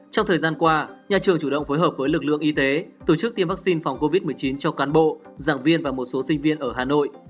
trong thời gian qua nhà trường chủ động phối hợp với lực lượng y tế tổ chức tiêm vaccine phòng covid một mươi chín cho cán bộ giảng viên và một số sinh viên ở hà nội